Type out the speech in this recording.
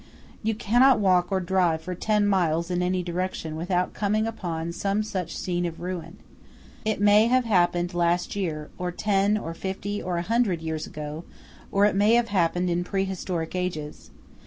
You cannot walk or drive for ten miles in any direction without coming upon some such scene of ruin. It many have happened last year; or ten, or fifty, or a hundred years ago; or it may have happened in prehistoric ages.